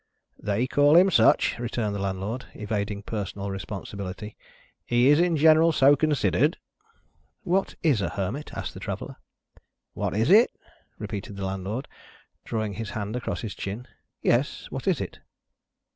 "They call him such," returned the Landlord, evading personal responsibility; "he is in general so considered." "What is a Hermit?" asked the Traveller. "What is it?" repeated the Landlord, drawing his hand across his chin. "Yes, what is it?"